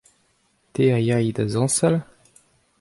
Te a yay da zañsal ?